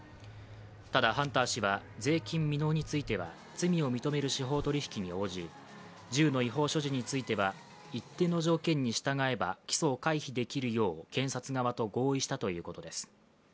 ただ、ハンター氏は税金未納については罪を認める司法取引に応じ、銃の違法所持については一定の条件に従えば起訴を回避できるよう検察側と合意したということです。